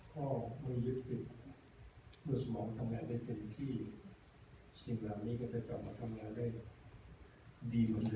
ข้อมือยึดปิดเมื่อสมองทำงานได้เต็มที่สิ่งหลับนี้ก็จะกลับมาทำงานได้ดีเหมือนเดิมได้